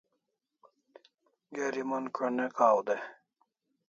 Geri mon ko'n' ne kaw dai